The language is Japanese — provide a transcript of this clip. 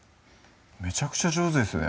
めちゃくちゃ上手ですね